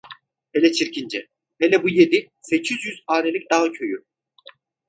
Hele Çirkince… Hele bu yedi, sekiz yüz hanelik dağ köyü…